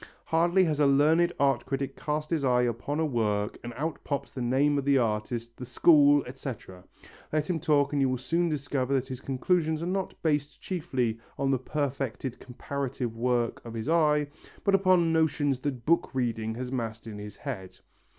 Hardly has a learned art critic cast his eye upon a work and out pops the name of the artist, the school, etc. Let him talk and you will soon discover that his conclusions are not based chiefly on the perfected comparative work of his eye, but upon notions that book reading has massed in his head.